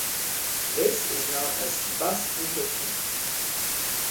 This is known as bus encryption.